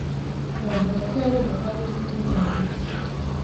bavuga ko yari umukobwa ufite umwihariko